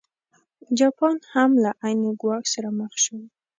جاپان هم له عین ګواښ سره مخ شو.